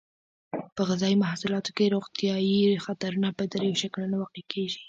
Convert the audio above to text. په غذایي محصولاتو کې روغتیایي خطرونه په دریو شکلونو واقع کیږي.